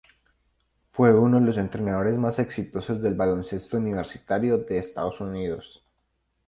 Fue uno de los entrenadores más exitosos del baloncesto universitario de Estados Unidos.